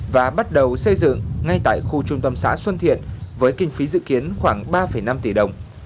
và bắt đầu xây dựng ngay tại khu trung tâm xã xuân thiện với kinh phí dự kiến khoảng ba năm tỷ đồng